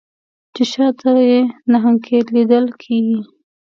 چې شا ته یې نهنګ لیدل کیږي